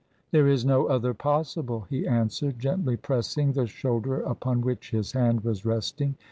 "There is no other possible," he answered, gently pressing the shoulder upon which his hand was resting.